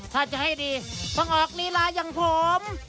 ถ้าจะให้ดีต้องออกลีลาอย่างผม